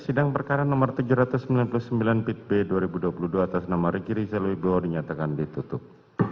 sidang perkaran no tujuh ratus sembilan puluh sembilan pitb dua ribu dua puluh dua atas nama riki rizal wibowo dinyatakan ditutup